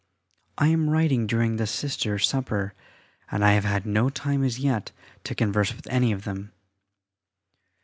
I am writing during the Sisters' supper, and I have had no time as yet to converse with any of them.